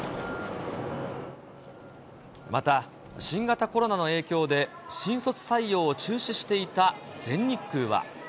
また、新型コロナの影響で、新卒採用を中止していた全日空は。